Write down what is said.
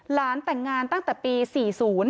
แต่งงานตั้งแต่ปี๔๐